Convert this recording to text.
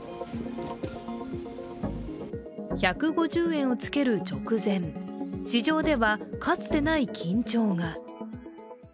１５０円をつける直前、１市場では、かつてない緊張が。